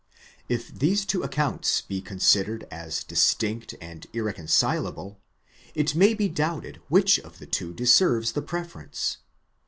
If these two accounts be considered as distinct and irreconcilable, it may be doubted which of the two deserves the preference.